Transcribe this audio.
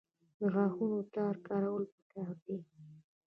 د غاښونو تار کارول پکار دي